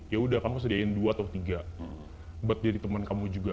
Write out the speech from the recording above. ya udah kamu sediain dua atau tiga buat jadi teman kamu juga